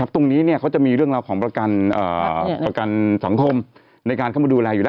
ตรงนี้เขาจะมีเรื่องราวของประกันสังคมในการเข้ามาดูแลอยู่แล้ว